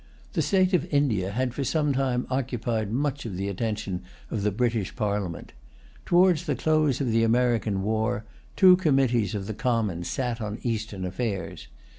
The state of India had for some time occupied much of the attention[Pg 194] of the British Parliament. Towards the close of the American war, two committees of the Commons sat on Eastern affairs.